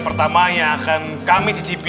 pertamanya akan kami cicipi